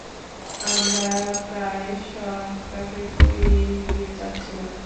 আমরা প্রায় শপটাকে পুড়িয়েই দিতে যাচ্ছিলাম।